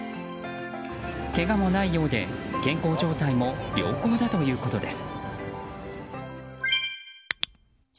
けがもないようで健康状態も良好だということです。